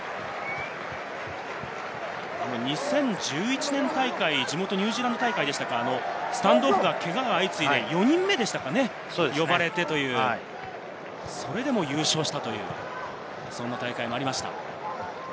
２０１１年大会、地元ニュージーランド大会、スタンドオフに、けがが相次いで４人目でしたか、それでも優勝した、そんな大会もありました。